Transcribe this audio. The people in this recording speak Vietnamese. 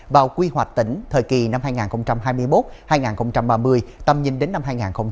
vào quy hoạch tỉnh thời kỳ năm hai nghìn hai mươi một hai nghìn ba mươi tầm nhìn đến năm hai nghìn năm mươi